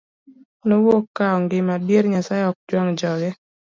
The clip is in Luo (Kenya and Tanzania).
Nowuok ka ongima, adier Nyasaye ok jwang' joge.